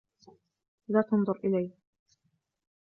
لا تنظر إلي!